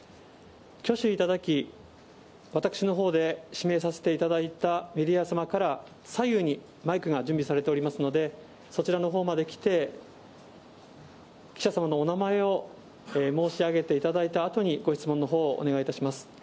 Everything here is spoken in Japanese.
挙手いただき、私のほうで指名させていただいたメディア様から、左右にマイクが準備されておりますので、そちらのほうまで来て、記者様のお名前を申し上げていただいたあとに、ご質問のほうをお願いいたします。